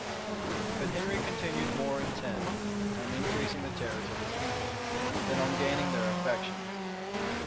But Henry continued more intent on increasing the terrors of his people, than on gaining their affections.